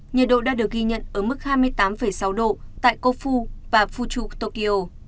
nhiệt độ đã được ghi nhận ở mức hai mươi tám sáu độ tại copu và fuchu tokyo